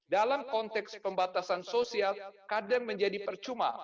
dalam konteks pembatasan sosial kadang menjadi percuma